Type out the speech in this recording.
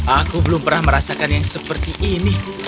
aku belum pernah merasakan yang seperti ini